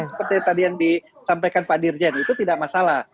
seperti tadi yang disampaikan pak dirjen itu tidak masalah